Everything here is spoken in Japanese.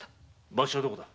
場所はどこだ？